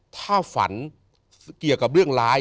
ถ้าฝันเกี่ยวกับเรื่องร้าย